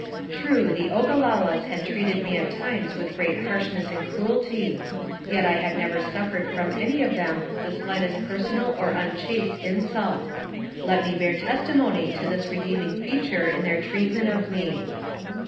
True, the Ogalallas had treated me at times with great harshness and cruelty, yet I had never suffered from any of them the slightest personal or unchaste insult. Let me bear testimony to this redeeming feature in their treatment of me.